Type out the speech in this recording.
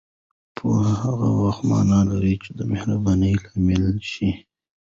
پوهه هغه وخت معنا لري چې دمهربانۍ لامل شي